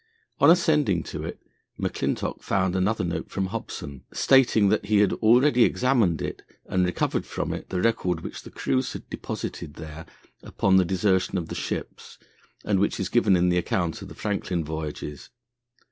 On ascending to it, McClintock found another note from Hobson, stating that he had already examined it and recovered from it the record which the crews had deposited there upon the desertion of the ships, and which is given in the account of the Franklin voyages.